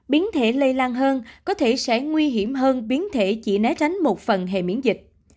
biến thể lây lan hơn có thể sẽ nguy hiểm hơn biến thể chỉ né tránh một phần hệ miễn dịch